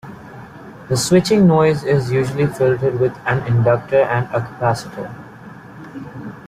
The switching noise is usually filtered with an inductor and a capacitor.